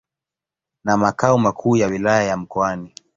na makao makuu ya Wilaya ya Mkoani.